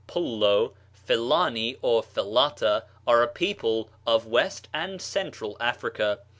Pullo), Fellani, or Fellatah, are a people of West and Central Africa.